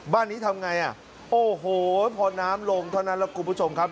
บ้านนี้ทำไงอ่ะโอ้โหพอน้ำลงเท่านั้นแล้วคุณผู้ชมครับ